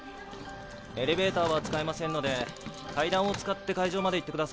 エレベーターは使えませんので階段を使って会場まで行ってください。